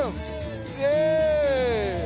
イエーイ！